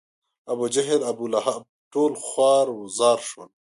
ابوجهل، ابولهب ټول خوار و زار شول.